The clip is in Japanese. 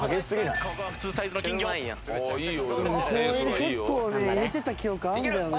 結構ね入れてた記憶あるんだよね。